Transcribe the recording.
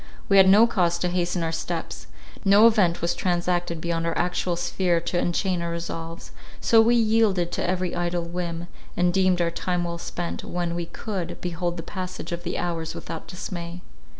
We had no cause to hasten our steps; no event was transacted beyond our actual sphere to enchain our resolves, so we yielded to every idle whim, and deemed our time well spent, when we could behold the passage of the hours without dismay.